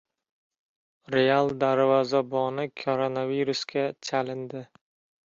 "Real" darvozaboni koronavirusga chalindi